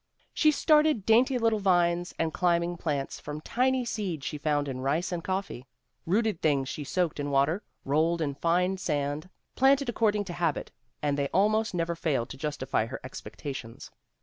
"She started dainty little vines and climbing plants from tiny seeds she found in rice and coffee. Rooted things she soaked in water, rolled in fine sand, planted according to habit, and they almost never failed to justify her expectations.